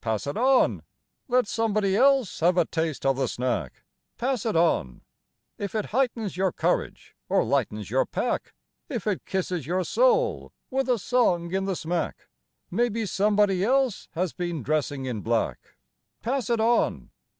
Pass it on! Let somebody else have a taste of the snack, Pass it on! If it heightens your courage, or lightens your pack, If it kisses your soul, with a song in the smack, Maybe somebody else has been dressing in black; Pass it on!